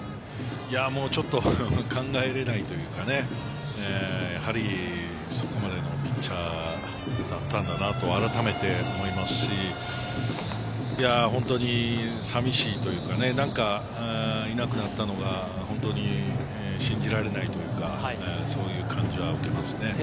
ちょっと考えられないというか、やはりそこまでのピッチャーだったんだなと改めて思いますし、本当に寂しいというか、なんかいなくなったのが本当に信じられないというか、そういう感じは受けますね。